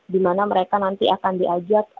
dimana mereka nanti akan diajak